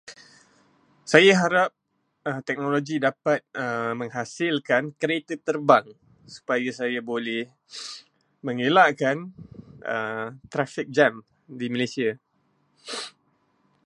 Saya harap teknologi dapat menghasilkan kereta terbang supaya saya boleh mengelakkan traffic jam di Malaysia.